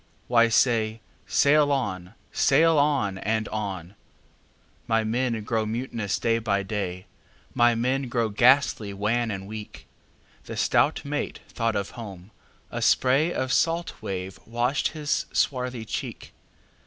"Why, say, 'Sail on! sail on! and on!'""My men grow mutinous day by day; My men grow ghastly wan and weak."The stout mate thought of home; a sprayOf salt wave washed his swarthy cheek.